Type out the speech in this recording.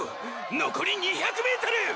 のこり２００ｍ！！